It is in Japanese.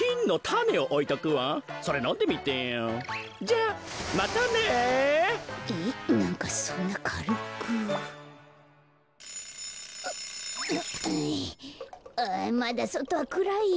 あまだそとはくらいよ。